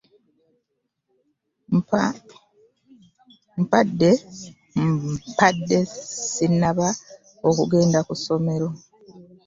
Mpade sinaba okugenda Ku somero.